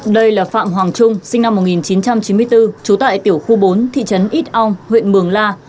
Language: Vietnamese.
đây là phạm hoàng trung sinh năm một nghìn chín trăm chín mươi bốn trú tại tiểu khu bốn thị trấn ít ong huyện mường la